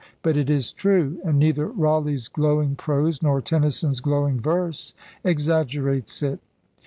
But it is true; and neither Raleigh's glowing prose nor Tennyson's glowing verse exaggerates it.